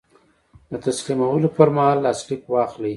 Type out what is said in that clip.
د تسلیمولو پر مهال لاسلیک واخلئ.